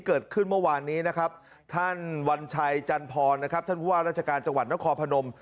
เกิดขึ้นเมื่อวานนี้นะครับท่านวัญชัยจันพรนะครับท่านผู้ว่าราชการจังหวัดนครพนม